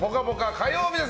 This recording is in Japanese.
火曜日です。